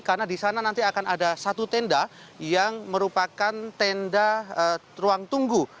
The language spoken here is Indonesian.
karena di sana nanti akan ada satu tenda yang merupakan tenda ruang tunggu